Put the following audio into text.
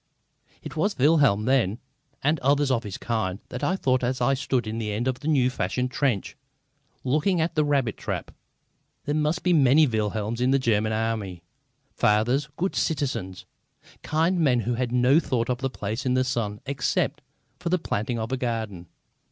It was of Wilhelm then, and others of his kind, that I thought as I stood in the end of the new fashion trench, looking at the rabbit trap. There must be many Wilhelms in the German Army, fathers, good citizens, kindly men who had no thought of a place in the sun except for the planting of a garden.